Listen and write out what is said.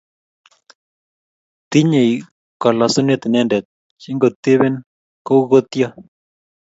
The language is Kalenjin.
Tinyei kolosunet inendet chengotipen ku kotyot---